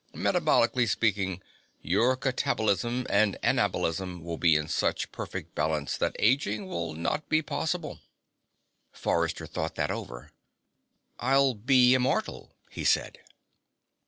Metabolically speaking, your catabolism and anabolism will be in such perfect balance that aging will not be possible." Forrester thought that over. "I'll be immortal," he said.